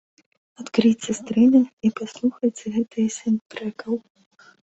Адкрыйце стрымінг і паслухайце гэтыя сем трэкаў.